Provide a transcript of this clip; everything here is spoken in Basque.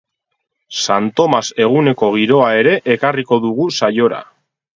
Santomas eguneko giroa ere ekarriko dugu saiora.